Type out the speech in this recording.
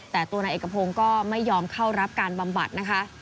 แต่ตัวนายเอกพงศ์ก็ไม่ยอมเข้ารับการบำบัดนะคะ